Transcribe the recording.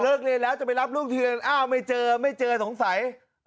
เลิกเรียนแล้วจะไปรับลูกที่โรงเรียนไม่เจอไม่เจอสงสัย